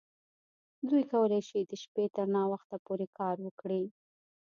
دوی کولی شي د شپې تر ناوخته پورې کار وکړي